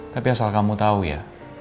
tapi asal kamu tau ya